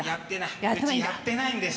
うちやってないんです。